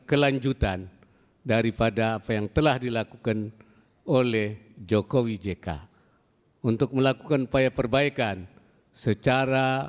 kelanjutan daripada apa yang telah dilakukan oleh jokowi jk untuk melakukan upaya perbaikan secara